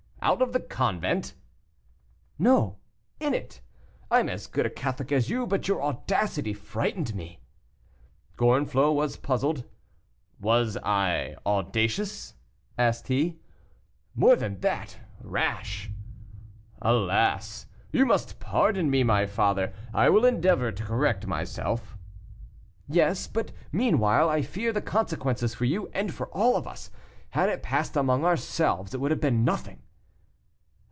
"Out of the convent?" "No; in it. I am as good a Catholic as you, but your audacity frightened me." Gorenflot was puzzled. "Was I audacious?" asked he. "More than that rash." "Alas! you must pardon me, my father. I will endeavor to correct myself." "Yes; but meanwhile, I fear the consequences for you and for all of us. Had it passed among ourselves, it would have been nothing."